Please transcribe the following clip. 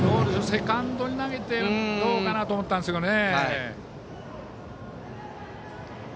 セカンドに投げてどうかなと思ったんですけどね。